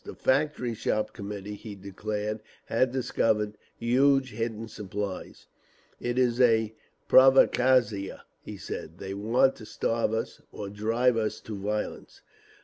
The Factory Shop Committee, he declared, had discovered huge hidden supplies. "It is a provocatzia," said he. "They want to starve us—or drive us to violence!"